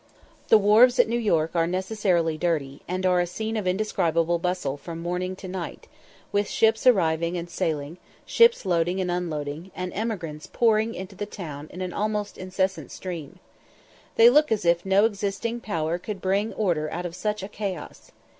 The wharfs at New York are necessarily dirty, and are a scene of indescribable bustle from morning to night, with ships arriving and sailing, ships loading and unloading, and emigrants pouring into the town in an almost incessant stream. They look as if no existing power could bring order out of such a chaos.